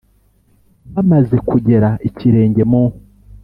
bamaze kugera ikirenge mu,